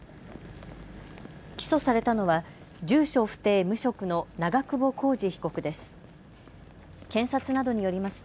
起訴されたのは住所不定・無職の長久保浩二被告です。